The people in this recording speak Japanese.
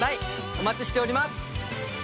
お待ちしております。